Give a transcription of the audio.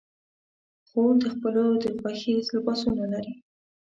خور د خپلو د خوښې لباسونه لري.